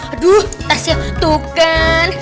aduh tasnya tuh kan